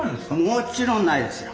もちろんないですよ。